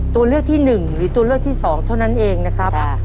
ตัวเลือกที่๑หรือตัวเลือกที่๒เท่านั้นเองนะครับ